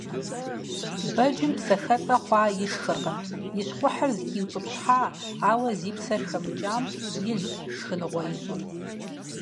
Бэджым псэхэлIэ хъуа ишхыркъым, и щхъухьыр зыхиутIыпщхьа, ауэ зи псэр хэмыкIам илщ шхыныгъуэ ищIыр.